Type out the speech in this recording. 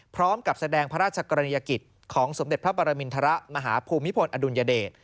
พร้อมกับแสดงพระราชกรณียกิจของสมเด็จพระปรมินทรมาฮภูมิพลอดุลยเดช